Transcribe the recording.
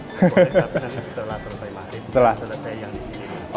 boleh tapi nanti setelah selesai